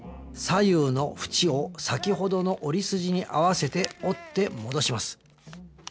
左右のふちを先ほどの折り筋に合わせて折って戻します